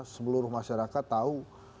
sepeluruh masyarakat tahu